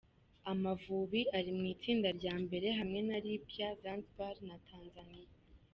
Amavubi ari mu itsinda rya mbere hamwe na Libya, Zanzibar na Tanzania.